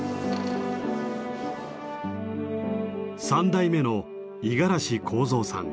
３代目の五十嵐康三さん。